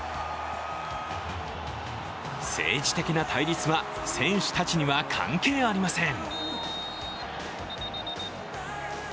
政治的な対立は選手たちには関係ありません。